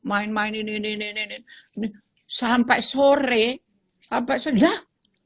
main main ini sampai sore apa sudah